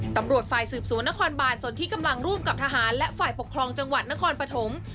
ตำรวจฝ่ายสืบสวนนครบานส่วนที่กำลังร่วมกับทหารและฝ่ายปกครองจังหวัดนครปฐม